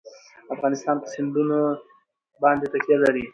افغانستان په سیندونه باندې تکیه لري.